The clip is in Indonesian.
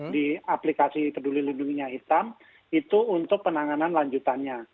di aplikasi peduli lindunginya hitam itu untuk penanganan lanjutannya